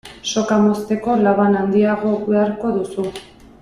Soka mozteko laban handiago beharko duzu.